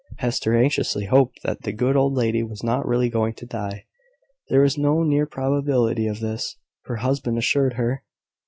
Hester anxiously hoped that the good old lady was not really going to die. There was no near probability of this, her husband assured her.